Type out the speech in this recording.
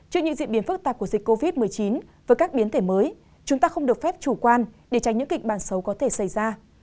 trước những diễn biến phức tạp của dịch covid một mươi chín với các biến thể mới chúng ta không được phép chủ quan để tránh những kịch bản xấu có thể xảy ra